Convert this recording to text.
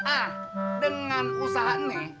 ah dengan usaha ini